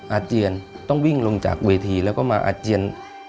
อาเจียนต้องวิ่งลงจากเวทีแล้วก็มาอาเจียน